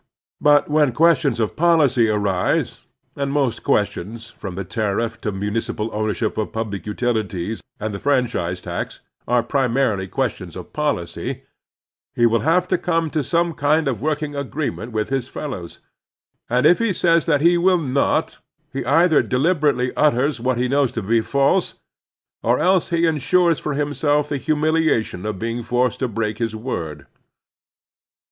But when questions of policy arise — and most ques tions, from the tariff to mimicipal ownership of public utilities and the franchise tax, are primarily questions of policy — ^he will have to come to some kind of working agreement with his fellows, and if he says that he will not, he either deliberately utters what he knows to be false, or else he insures for himself the htmiiliation of being forced to break his word.